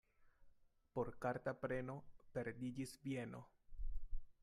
Pro karta preno perdiĝis bieno.